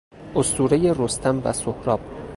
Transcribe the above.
اسطورهی رستم و سهراب